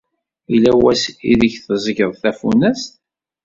Yella wass ideg teẓẓgeḍ tafunast?